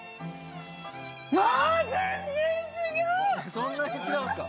そんなに違うんですか？